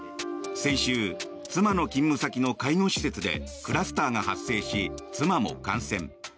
先週、妻の勤務先の介護施設でクラスターが発生し妻も感染。